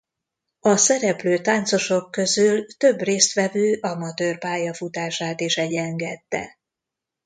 A szereplő táncosok közül több részt vevő amatőr pályafutását is egyengette.